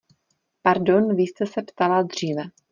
Pardon, vy jste se ptala dříve.